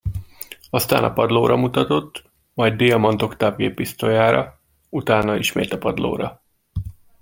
Aztán a padlóra mutatott, majd Diamant Oktáv géppisztolyára, utána ismét a padlóra.